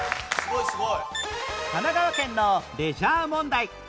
神奈川県のレジャー問題